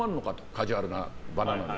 カジュアルな場なのに。